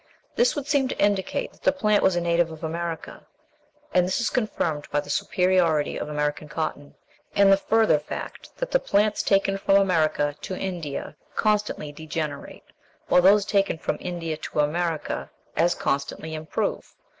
This would seem to indicate that the plant was a native of America; and this is confirmed by the superiority of American cotton, and the further fact that the plants taken from America to India constantly degenerate, while those taken from India to America as constantly improve.